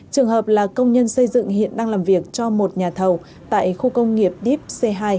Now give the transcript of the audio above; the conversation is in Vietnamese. trường hợp là công nhân xây dựng hiện đang làm việc cho một nhà thầu tại khu công nghiệp deep c hai